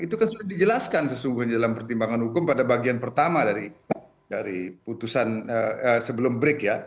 itu kan sudah dijelaskan sesungguhnya dalam pertimbangan hukum pada bagian pertama dari putusan sebelum break ya